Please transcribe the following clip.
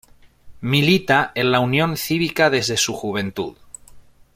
Milita en la Unión Cívica desde su juventud.